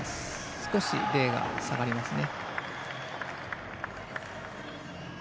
少し点が下がりますね。